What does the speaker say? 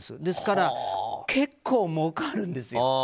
ですから、結構もうかるんですよ。